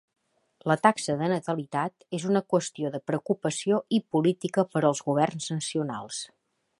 La taxa de natalitat és una qüestió de preocupació i política per als governs nacionals.